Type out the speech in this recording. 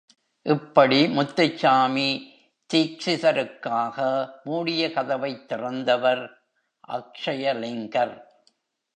இப்படி முத்துச்சாமி தீக்ஷிதருக்காக மூடிய கதவைத் திறந்தவர் அக்ஷயலிங்கர்.